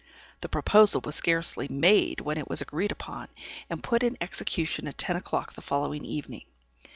The proposal was scarcely made when it was agreed upon, and put in execution at ten o'clock the following evening.